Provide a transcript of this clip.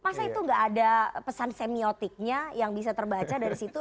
masa itu gak ada pesan semiotiknya yang bisa terbaca dari situ